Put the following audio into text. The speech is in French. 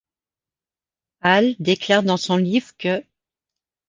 Ahl déclare dans son livre qu'.